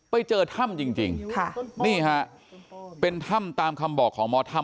ไปเจอถ้ำจริงค่ะนี่ฮะเป็นถ้ำตามคำบอกของหมอถ้ำ